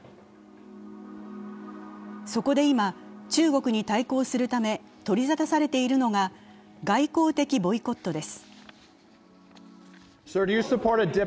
そこで今、中国に対抗するため取りざたされているのが外交的ボイコットです。